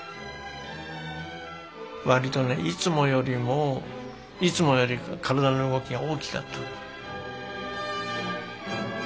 わりとねいつもよりもいつもより体の動きが大きかった。